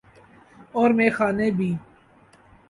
اورمیخانے بھی۔